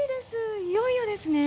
いよいよですね。